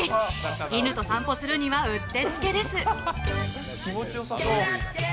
犬と散歩するにはうってつけです。